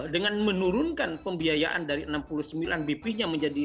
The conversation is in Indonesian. dengan menurunkan pembiayaan dari enam puluh sembilan bp nya menjadi lima puluh